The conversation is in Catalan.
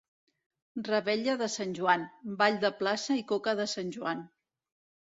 Revetlla de Sant Joan: ball de plaça i coca de Sant Joan.